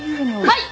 はい！